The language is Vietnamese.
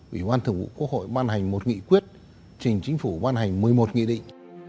ủy ban thường vụ quốc hội ban hành một nghị quyết trình chính phủ ban hành một mươi một nghị định